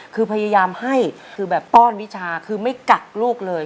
คือพยายามให้คือแบบป้อนวิชาคือไม่กักลูกเลย